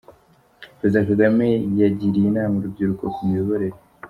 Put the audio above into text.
Perezida Kagame yagiriye inama urubyiruko ku miyoborere.